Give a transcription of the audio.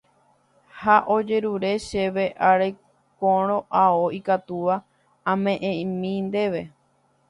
ha ojerure chéve arekórõ ao ikatúva ame'ẽmi ndéve